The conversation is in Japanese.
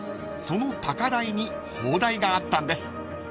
［その高台に砲台があったんです］